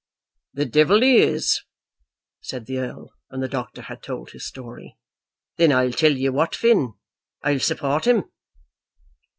"The devil he is!" said the Earl, when the doctor had told his story. "Then I'll tell you what, Finn, I'll support him."